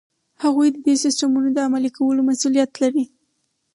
هغوی ددې سیسټمونو د عملي کولو مسؤلیت لري.